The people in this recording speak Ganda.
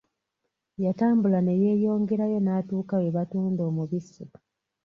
Yatambula ne yeeyongerayo n'atuuka we batunda omubisi.